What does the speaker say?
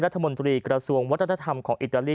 รัฐมนตรีกระทรวงวัฒนธรรมของอิตาลี